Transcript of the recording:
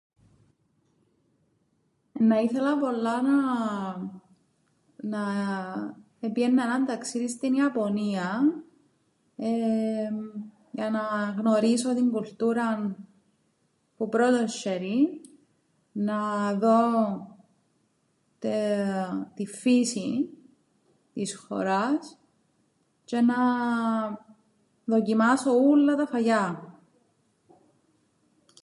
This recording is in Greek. Εννά ήθελα πολλά να επήαιννα έναν ταξίδιν στην Ιαπωνίαν εεεμ για να γνωρίσω την κουλτούραν που πρώτον σ̆έριν να δω την φύσην της χώρας τζ̆αι να δοκιμάσω ούλλα τα φαγιά